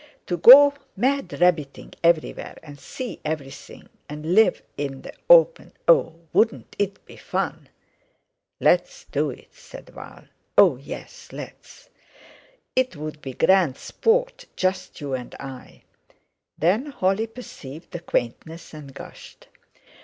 "To go mad rabbiting everywhere and see everything, and live in the open—oh! wouldn't it be fun?" "Let's do it!" said Val. "Oh yes, let's!" "It'd be grand sport, just you and I." Then Holly perceived the quaintness and gushed.